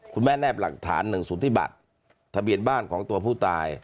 คุณแม่แนบหลักฐานหนึ่งสุธิบัติทะเบียนบ้านของตัวผู้ตาย